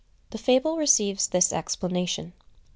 —The fable receives this explanation.